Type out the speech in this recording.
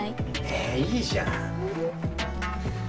ええいいじゃん。